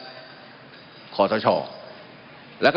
มันมีมาต่อเนื่องมีเหตุการณ์ที่ไม่เคยเกิดขึ้น